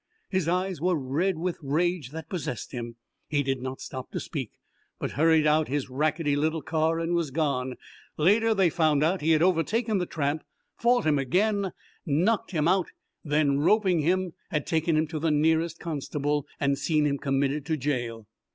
His eyes were red with rage that possessed him. He did not stop to speak, but hurried out his rackety little car and was gone. Later they found out he had overtaken the tramp, fought him again, knocked him out, and then, roping him, had taken him to the nearest constable and seen him committed to jail.